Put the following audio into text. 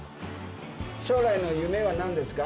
将来の夢はなんですか？